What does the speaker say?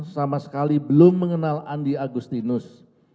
sama sekali belum mengenal andi agustinus